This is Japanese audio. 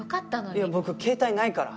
いや僕携帯ないから。